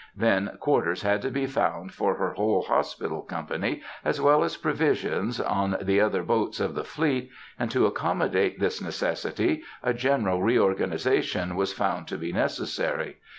Then quarters had to be found for her whole hospital company, as well as provisions, on the other boats of the fleet, and to accommodate this necessity a general reorganization was found to be necessary.